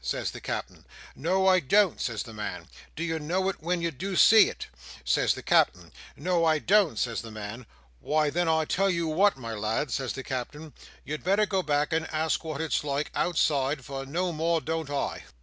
says the Cap'en 'No, I don't,' says the man. 'Do you know it wen you do see it?' says the Cap'en. 'No, I don't,' says the man. 'Why, then I tell you wot, my lad,' says the Cap'en, 'you'd better go back and ask wot it's like, outside, for no more don't I!